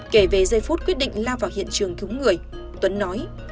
kể về giây phút quyết định lao vào hiện trường cứu người tuấn nói